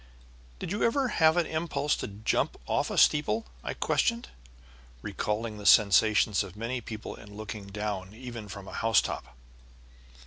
"Did you ever have an impulse to jump off a steeple?" I questioned, recalling the sensations of many people in looking down even from a housetop.